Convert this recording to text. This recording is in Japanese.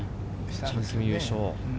チャン・キム優勝。